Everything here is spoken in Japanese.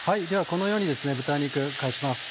このように豚肉返します。